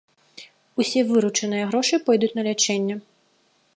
Усе выручаныя грошы пойдуць на лячэнне.